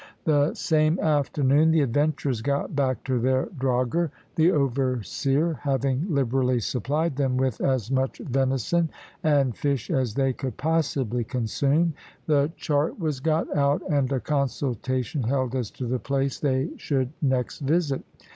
The same afternoon the adventurers got back to their drogher, the overseer having liberally supplied them with as much venison and fish as they could possibly consume. The chart was got out, and a consultation held as to the place they should next visit.